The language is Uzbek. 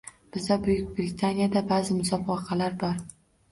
Bizda Buyuk Britaniyada baʼzi musobaqalar bor